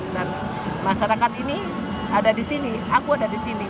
dan masyarakat ini ada di sini aku ada di sini